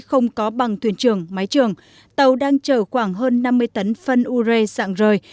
không có bằng thuyền trường máy trường tàu đang chở khoảng hơn năm mươi tấn phân ure dạng rời